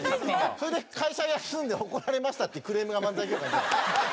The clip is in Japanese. それで「会社休んで怒られました」っていうクレームが漫才協会に。